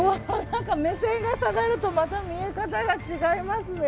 何か目線が下がると見え方が違いますね。